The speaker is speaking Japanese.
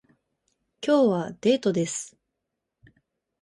今日はデートです